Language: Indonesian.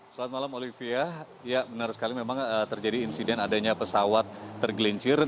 selamat malam olivia ya benar sekali memang terjadi insiden adanya pesawat tergelincir